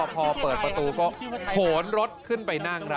พอเปิดประตูก็โหนรถขึ้นไปนั่ง